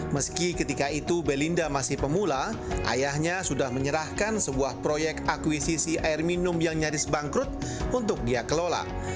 meski ketika itu belinda masih pemula ayahnya sudah menyerahkan sebuah proyek akuisisi air minum yang nyaris bangkrut untuk dia kelola